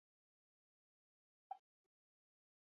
此现象一般在火警发生的后期出现。